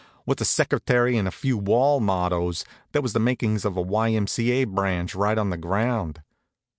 with a secretary and a few wall mottos, there was the makin's of a Y. M. C. A. branch right on the ground.